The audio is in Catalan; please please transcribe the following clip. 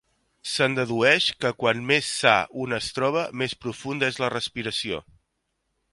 Se'n dedueix que quan més sa un es troba, més profunda és la respiració.